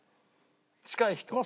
近い人。